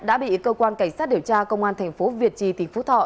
đã bị cơ quan cảnh sát điều tra công an tp việt trì tp thọ